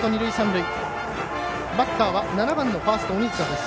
バッターは７番のファースト鬼塚です。